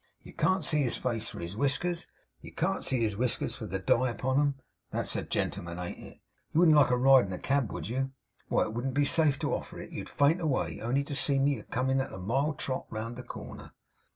You can't see his face for his whiskers, and can't see his whiskers for the dye upon 'em. That's a gentleman ain't it? You wouldn't like a ride in a cab, would you? Why, it wouldn't be safe to offer it. You'd faint away, only to see me a comin' at a mild trot round the corner.